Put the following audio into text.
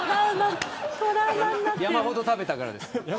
山ほど食べたから。